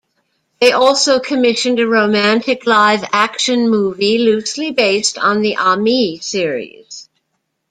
They also commissioned a romantic live action movie loosely based on the "Ami" series.